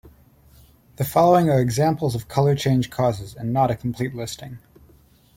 The following are examples of color change causes and not a complete listing.